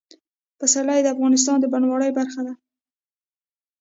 پسرلی د افغانستان د بڼوالۍ برخه ده.